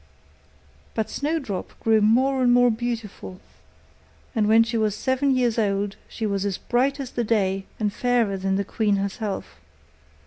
But Snowdrop grew more and more beautiful; and when she was seven years old she was as bright as the day, and fairer than the queen herself.